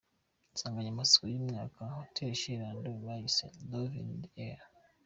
Insanganyamatsiko y’uyu mwaka Hotel Chez Lando bayise’ Love in the air’.